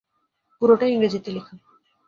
পুরোটাই ইংরেজিতে লেখা।